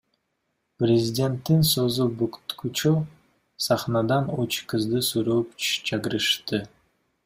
Президенттин сөзү бүткүчө сахнадан үч кызды сууруп чыгарышты.